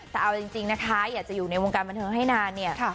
แต่เอาจริงนะคะอยากจะอยู่ในวงการบันเทิงให้นานเนี่ย